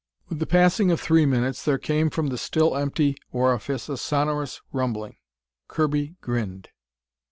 With the passing of three minutes there came from the still empty orifice a sonorous rumbling. Kirby grinned.